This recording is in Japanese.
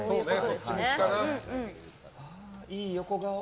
いい横顔。